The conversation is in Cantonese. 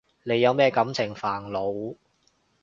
你有咩感情煩惱？